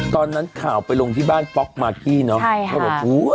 ตอนนั้นข่าวไปลงที่บ้านป๊อกมากี้เนาะใช่ค่ะ